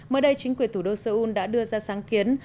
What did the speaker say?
mới đây chính quyền thủ đô seoul đã đưa ra sáng kiến